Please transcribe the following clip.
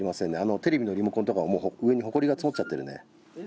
テレビのリモコンとかは上にほこりが積もっちゃってるね。